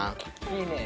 いいね。